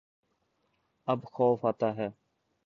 اب خوف آتا ہے